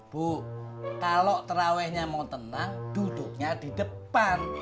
bu kalau terawihnya mau tenang duduknya di depan